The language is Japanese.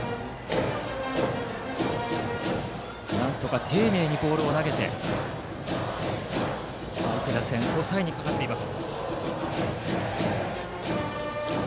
なんとか丁寧にボールを投げて相手打線を抑えにかかります。